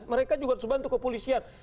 mereka juga harus bantu kepolisian